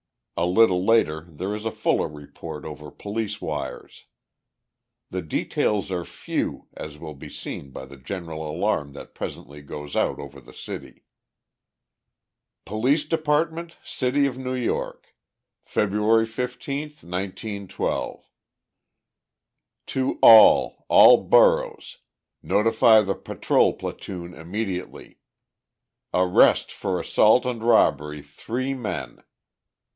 A little later there is a fuller report over police wires. The details are few, as will be seen by the general alarm that presently goes out over the city: Police Department, City of New York, February 15, 1912. To all, all Boroughs—notify the patrol platoon immediately. Arrest for assault and robbery three men: No.